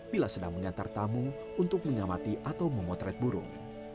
bila sedang mengantar tamu untuk mengamati atau memotret burung